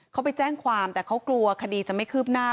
เขาไปแจ้งความแต่เขากลัวคดีจะไม่คืบหน้า